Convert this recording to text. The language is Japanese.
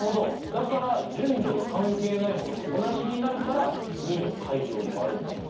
だから順序が関係ないものと同じになるから２の階乗で割るんだ。